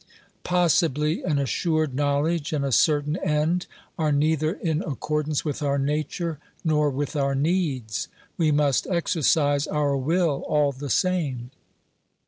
Possibly an assured knowledge and a certain end are neither in accord ance with our nature nor with our needs. We must exer cise our will all the same.